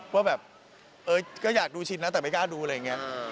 ว่าแบบเออก็อยากดูชินนะแต่ไม่กล้าดูอะไรอย่างนี้